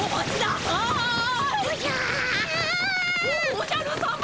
おじゃるさま！